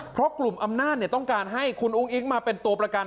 เพราะกลุ่มอำนาจต้องการให้คุณอุ้งอิ๊งมาเป็นตัวประกัน